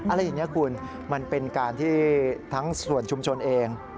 อะไรอย่างนี้คุณมันเป็นการที่ทั้งส่วนชุมชนเอง